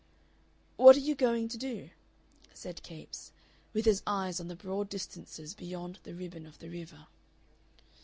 "What are we going to do?" said Capes, with his eyes on the broad distances beyond the ribbon of the river.